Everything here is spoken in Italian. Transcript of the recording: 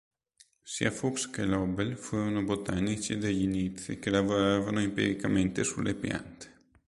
Sia Fuchs che L'Obel furono botanici degli inizi che lavoravano empiricamente sulle piante.